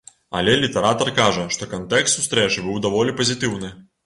Але літаратар кажа, што кантэкст сустрэчы быў даволі пазітыўны.